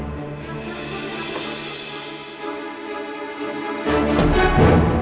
bapak bapak bapak bapak bapak